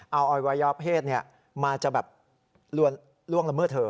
เอาออยไว้ยาวเพศมาจะแบบล่วงละเมื่อเธอ